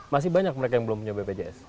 masih banyak mereka yang belum punya bpjs